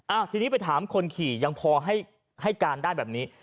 ทีนี้ไปถามคนขี่ยังพอให้ให้การได้แบบนี้